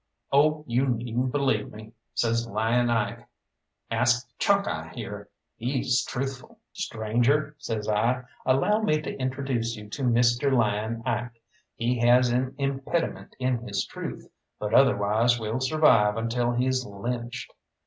"Oh, you needn't believe me," says Lying Ike, "ask Chalkeye here. He's truthful." "Stranger," says I, "allow me to introduce you to Mr. Lying Ike. He has an impediment in his truth, but otherwise will survive until he's lynched.